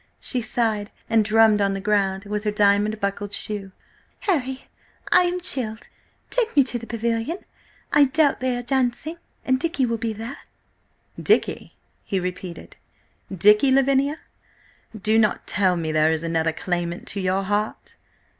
She sighed and drummed on the ground with her diamond buckled shoe. "Harry, I am chilled! Take me to the Pavilion! I doubt they are dancing–and Dicky will be there." "Dicky?" he repeated. "Dicky! Lavinia, do not tell me there is another claimant to your heart?"